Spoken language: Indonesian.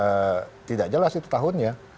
dan kita tidak jelas itu tahunnya